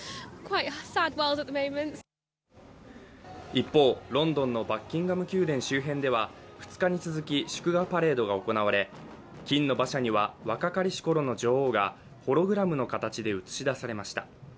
一方、ロンドンのバッキンガム宮殿周辺では２日に続き祝賀パレードが行われ金の馬車には若かりしころの女王がホログラムの形で映し出されました。